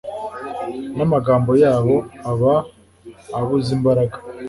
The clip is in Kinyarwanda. namagambo yabo aba abuze imbaraga